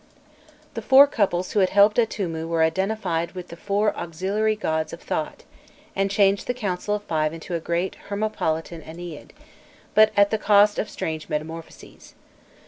The four couples who had helped Atûmû were identified with the four auxiliary gods of Thot, and changed the council of Five into a Great Hermopolitan Ennead, but at the cost of strange metamorphoses.